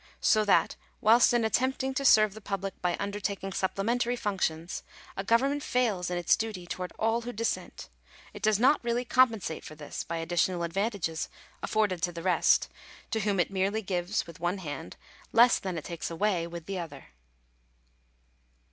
So that, whilst in attempting to serve the public by undertaking supplementary functions, a government fails in its duty towards all who dissent; it does not really compensate for this by additional advantages afforded Digitized by VjOOQIC 280 THE LIMIT OF STATE DUTY. to the rest ; to whom it merely gives, with one hand, less than it takes away with the other.